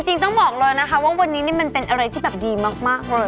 จริงต้องบอกเลยนะคะว่าวันนี้นี่มันเป็นอะไรที่แบบดีมากเลย